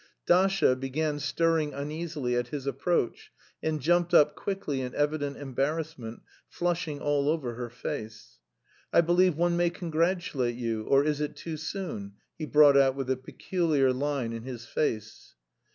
Dasha began stirring uneasily at his approach, and jumped up quickly in evident embarrassment, flushing all over her face. "I believe one may congratulate you... or is it too soon?" he brought out with a peculiar line in his face.